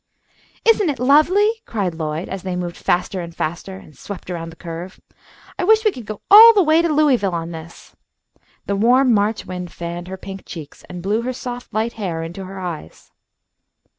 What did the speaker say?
"Isn't it lovely?" cried Lloyd, as they moved faster and faster and swept around the curve. "I wish we could go all the way to Louisville on this." The warm March wind fanned her pink cheeks, and blew her soft light hair into her eyes.